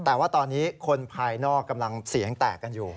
แต่ว่าตอนนี้คนภายนอกกำลังเสียงแตกกันอยู่